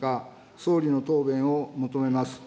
総理の答弁を求めます。